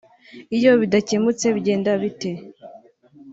… iyo bidakemutse bigenda bite